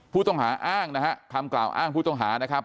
ผู้ต้องหาอ้างนะฮะคำกล่าวอ้างผู้ต้องหานะครับ